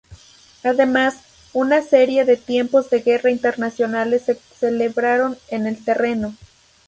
Además, una serie de tiempos de guerra internacionales se celebraron en el terreno.